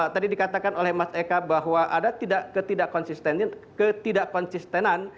tadi dikatakan oleh mas eka bahwa ada ketidak konsistenan